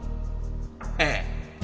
ええ。